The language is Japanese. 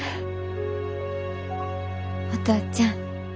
お父ちゃん。